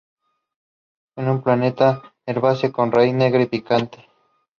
Es una planta herbácea con raíz negra y picante.